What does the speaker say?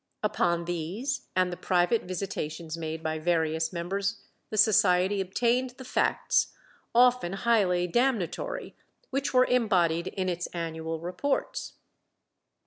Upon these and the private visitations made by various members the Society obtained the facts, often highly damnatory, which were embodied in its annual reports.